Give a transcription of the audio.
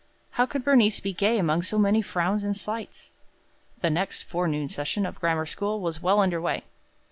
How could Bernice be gay among so many frowns and slights? The next forenoon session of the grammar school was well under way.